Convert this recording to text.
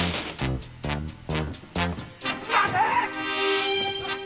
待て！